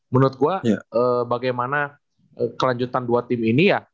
menurut gue bagaimana kelanjutan dua tim ini ya